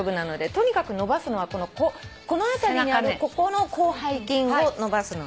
とにかく伸ばすのはこの辺りにあるここの広背筋を伸ばすので。